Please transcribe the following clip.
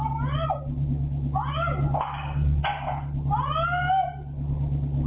สวัสดีครับ